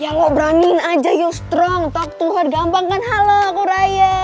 ya lo beraniin aja you strong takut tuhan gampang kan hal lo aku raya